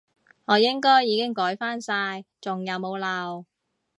我應該已經改返晒，仲有冇漏？